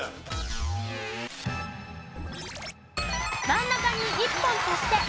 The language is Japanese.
真ん中に１本足して３。